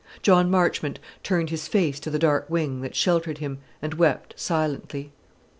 John Marchmont turned his face to the dark wing that sheltered him, and wept silently.